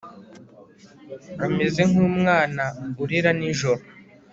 ameze nk'umwana urira nijoro